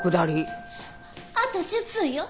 あと１０分よ。